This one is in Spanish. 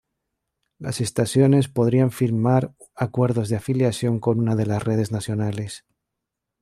Las estaciones podrían firmar acuerdos de afiliación con una de las redes nacionales.